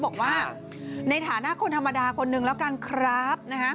บอกว่าในฐานะคนธรรมดาคนนึงแล้วกันครับนะฮะ